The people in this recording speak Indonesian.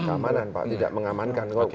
keamanan pak tidak mengamankan